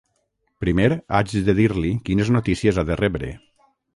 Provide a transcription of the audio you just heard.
Primer, haig de dir-li quines notícies ha de rebre.